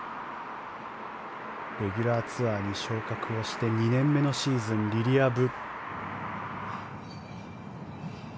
レギュラーツアーに昇格して２年目のシーズン、リリア・ブ。